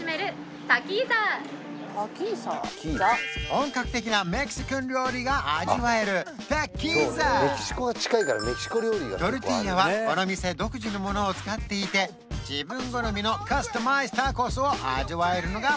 本格的なメキシカン料理が味わえるタキーザトルティーヤはこの店独自のものを使っていて自分好みのカスタマイズタコスを味わえるのが